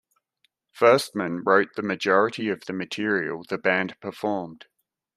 Firstman wrote the majority of the material the band performed.